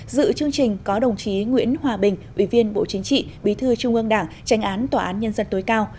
dự chương trình có đồng chí nguyễn hòa bình ủy viên bộ chính trị bí thư trung ương đảng tranh án tòa án nhân dân tối cao